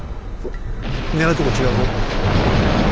狙うとこ違うぞ。